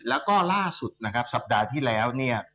แล้วก็ล่าสุดสัปดาห์ที่แล้ว